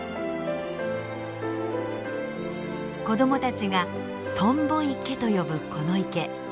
子どもたちが「とんぼ池」と呼ぶこの池。